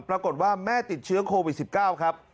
ปรากฏว่าแม่ติดเชื้อโควิด๑๙ครับ